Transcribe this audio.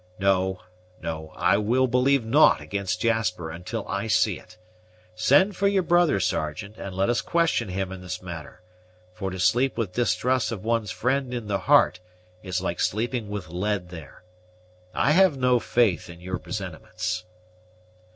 No, no; I will believe naught against Jasper until I see it. Send for your brother, Sergeant, and let us question him in this matter; for to sleep with distrust of one's friend in the heart is like sleeping with lead there. I have no faith in your presentiments."